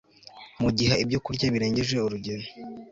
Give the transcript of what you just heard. mugiha ibyokurya birengeje urugero